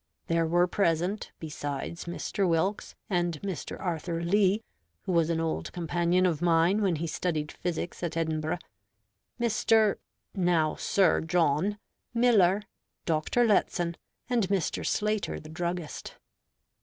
There were present, besides Mr. Wilkes, and Mr. Arthur Lee, who was an old companion of mine when he studied physics at Edinburgh, Mr. (now Sir John) Miller, Dr. Lettson, and Mr. Slater the druggist.